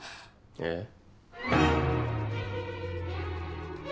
えっ？